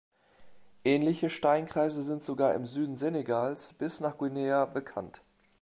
Ähnliche Steinkreise sind sogar im Süden Senegals bis nach Guinea bekannt.